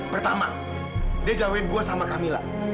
pertama dia jauhin gue sama camilla